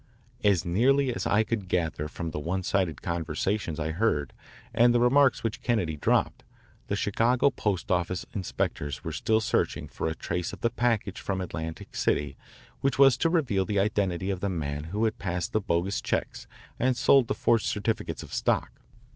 As nearly as I could gather from the one sided conversations I heard and the remarks which Kennedy dropped, the Chicago post office inspectors were still searching for a trace of the package from Atlantic City which was to reveal the identity of the man who had passed the bogus checks and sold the forged certificates of stock.